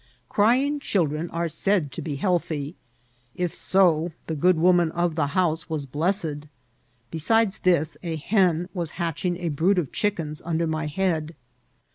Crying children are said to be healthy ; if so, the good woman of the house was bless ed : besides this, a hen was hatching a brood of chick ens under my head.